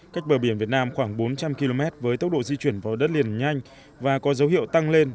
cách bờ biển việt nam khoảng bốn trăm linh km với tốc độ di chuyển vào đất liền nhanh và có dấu hiệu tăng lên